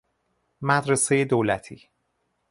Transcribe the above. مدرسهی دولتی